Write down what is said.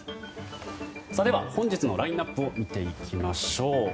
では、本日のラインアップを見ていきます。